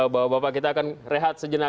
bapak bapak kita akan rehat sejenak